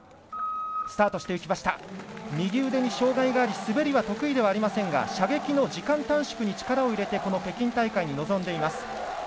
右腕に障がいがあり滑りは得意ではありませんが射撃の時間短縮に力を入れて北京大会に臨んでいます。